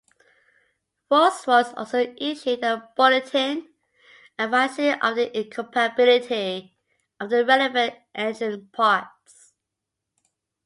Rolls-Royce also issued a bulletin advising of the incompatibility of the relevant engine parts.